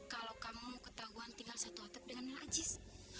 kalau kamu ketahuan tinggal satu atap dengan najis